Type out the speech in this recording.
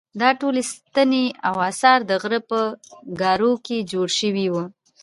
دا ټولې ستنې او اثار د غره په ګارو کې جوړ شوي وو.